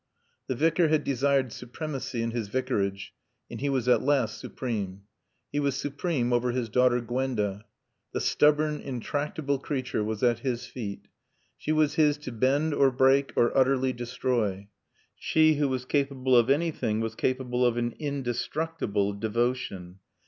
The Vicar had desired supremacy in his Vicarage and he was at last supreme. He was supreme over his daughter Gwenda. The stubborn, intractable creature was at his feet. She was his to bend or break or utterly destroy. She who was capable of anything was capable of an indestructible devotion.